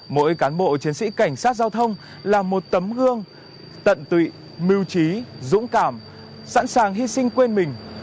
mỗi cán bộ chiến sĩ cảnh sát giao thông là một tấm gương tận tụy mưu trí dũng cảm sẵn sàng hy sinh quên mình